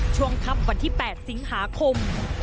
ช่วงค่ำวันที่๘สิงหาคม